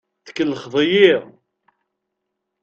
Tkellxeḍ-iyi!